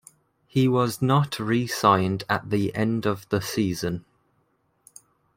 He was not re-signed at the end of the season.